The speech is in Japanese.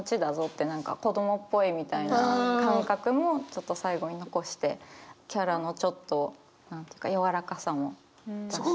って何か子供っぽいみたいな感覚もちょっと最後に残してキャラのちょっと柔らかさも出し。